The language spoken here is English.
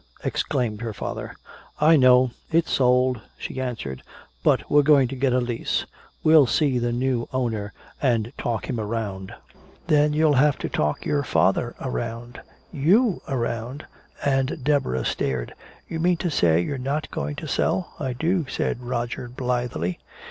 exclaimed her father. "I know it's sold," she answered. "But we're going to get a lease. We'll see the new owner and talk him around." "Then you'll have to talk your father around " "You around?" And Deborah stared. "You mean to say you're not going to sell?" "I do," said Roger blithely.